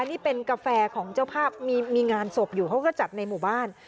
นี่เป็นกาแฟของเจ้าภาพมีงานศพอยู่เขาก็จัดในหมู่บ้าน